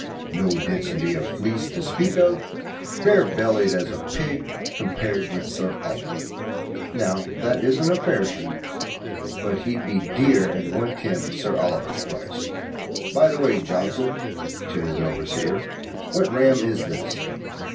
No density of fleece to speak of. Bare bellied as a pig, compared with Sir Oliver. Not that this isn't a fair sheep, but he'd be dear at one tenth Sir Oliver's price. By the way, Johnson" (to his overseer), "what ram is this?"